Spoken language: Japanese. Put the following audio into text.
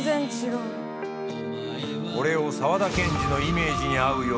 これを沢田研二のイメージに合うよう